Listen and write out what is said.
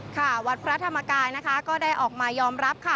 ค่ะวัดพระธรรมกายนะคะก็ได้ออกมายอมรับค่ะ